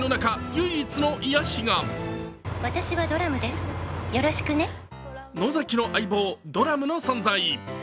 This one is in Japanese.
唯一の癒やしが野崎の相棒・ドラムの存在。